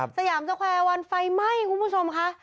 สยามสแควร์วันไฟไหม้คุณผู้ชมค่ะ